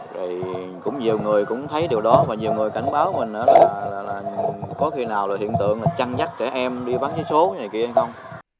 rồi cũng nhiều người cũng thấy điều đó và nhiều người cảnh báo mình là có khi nào hiện tượng chăn dắt trẻ em đi bán chế số này kia hay không